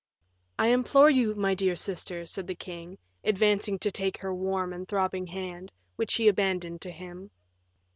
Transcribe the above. "I implore you, my dear sister!" said the king, advancing to take her warm and throbbing hand, which she abandoned to him.